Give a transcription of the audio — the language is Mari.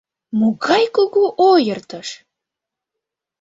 Могай кугу ойыртыш!